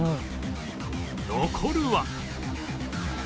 残るは